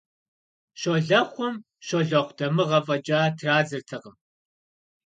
Щолэхъум «щолэхъу дамыгъэ» фӀэкӀа традзэртэкъым.